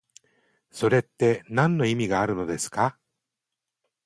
それってなんの意味があるのですか？